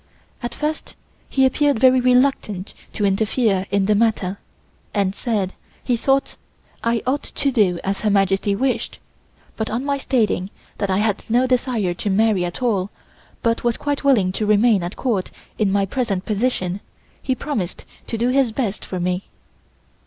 At first he appeared very reluctant to interfere in the matter, and said he thought I ought to do as Her Majesty wished, but on my stating that I had no desire to marry at all, but was quite willing to remain at Court in my present position, he promised to do his best for me.